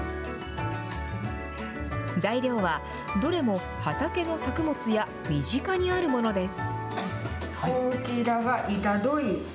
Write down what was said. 材料はどれも畑の作物や身近にあるものです。